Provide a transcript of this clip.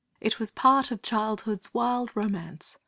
It was part of childhood's wild romance.